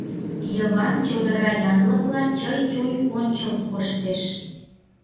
Йыван чодыра янлыкла чый-чуй ончылт коштеш.